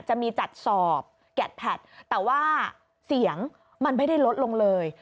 จะมีจัดสอบแกดแพทแต่ว่าเสียงมันไม่ได้ลดลงเลย